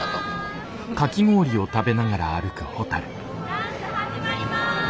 ダンス始まります！